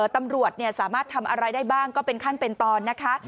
ตำรวจสามารถทำอะไรได้บ้างก็เป็นขั้นเป็นตอนนะคะ